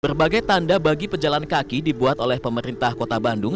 berbagai tanda bagi pejalan kaki dibuat oleh pemerintah kota bandung